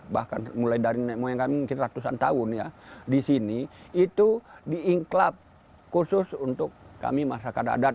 bahkan mulai dari moyang kami ratusan tahun ya disini itu diinklap khusus untuk kami masyarakat adat